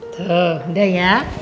tuh udah ya